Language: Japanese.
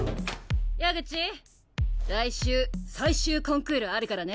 来週最終コンクールあるからね。